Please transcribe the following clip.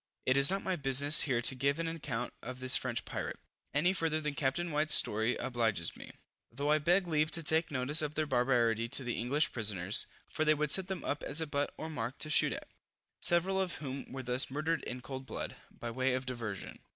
It is not my business here to give an account of this French pirate, any farther than Capt. White's story obliges me, though I beg leave to take notice of their barbarity to the English prisoners, for they would set them up as a butt or mark to shoot at; several of whom were thus murdered in cold blood, by way of diversion.